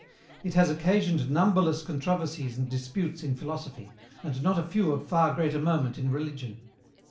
It has occasioned numberless controversies and disputes in philosophy, and not a few of far greater moment in religion.